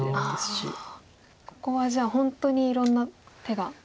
ここはじゃあ本当にいろんな手が。